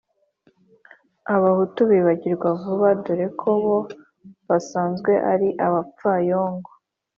abahutu bibagirwa vuba, dore ko bo basanzwe ari n’abapfayongo